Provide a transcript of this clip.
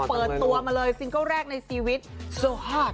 เปิดตัวมาเลยซิงเกิ้ลแรกในชีวิตโซฮาร์ด